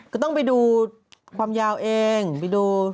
ก็ต้องไปดูความยาวเองไปดู